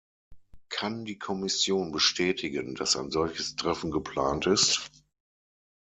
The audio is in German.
Kann die Kommission bestätigen, dass ein solches Treffen geplant ist?